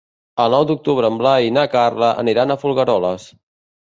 El nou d'octubre en Blai i na Carla aniran a Folgueroles.